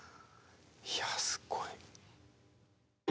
いやすごい。